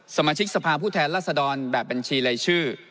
สมาชิกสภาพผู้แทนรัศดรแบบบัญชีรายชื่อ